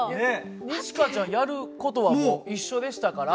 二千翔ちゃんやる事は一緒でしたから。